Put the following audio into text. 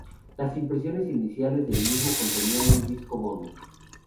Las impresiones iniciales del mismo contenían un disco bonus.